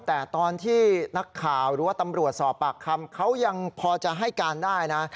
แต่ตอนที่นักข่าวหรือว่าตำรวจสอบปากคำเขายังพอจะให้การได้นะ